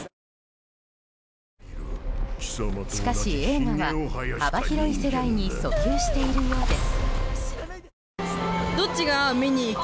しかし、映画は幅広い世代に訴求しているようです。